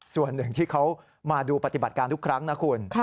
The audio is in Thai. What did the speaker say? ส่วนหนึ่งที่เขามาดูปฏิบัติการทุกครั้งนะคุณ